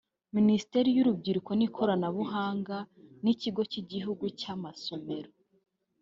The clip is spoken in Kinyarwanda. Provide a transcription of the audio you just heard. Minisiteri y’Urubyiruko n’Ikoranabuhanga n’Ikigo cy’Igihugu cy’Amasomero